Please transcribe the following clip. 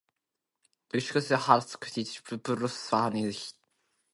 Throughout his life Hare was a tireless public speaker and writer about these issues.